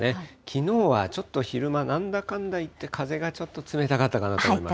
きのうはちょっと昼間、なんだかんだいって風がちょっと冷たかっ確かに。